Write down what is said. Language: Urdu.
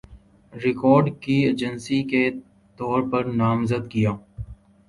ریکارڈ کی ایجنسی کے طور پر نامزد کِیا